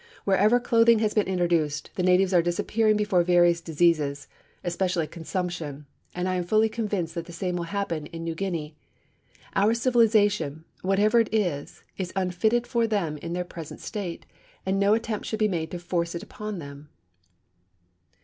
Wherever clothing has been introduced, the natives are disappearing before various diseases, especially consumption, and I am fully convinced that the same will happen in New Guinea. Our civilization, whatever it is, is unfitted for them in their present state, and no attempt should be made to force it upon them.'